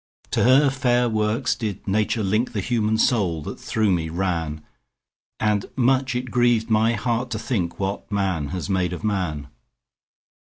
To her fair works did Nature link The human soul that through me ran; And much it grieved my heart to think What man has made of man.